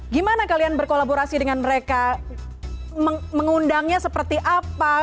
gimana kalian berkolaborasi dengan mereka mengundangnya seperti apa